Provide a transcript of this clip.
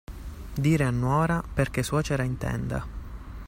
Dire a nuora perché suocera intenda.